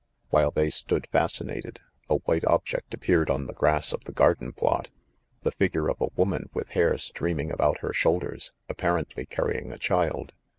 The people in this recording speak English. While they stood fascinated, a white object appeared on the grass of the garden plot, the figure of a woman with hair streaming about her shoulders, apparently carrying a child.